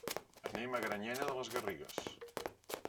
Anem a Granyena de les Garrigues.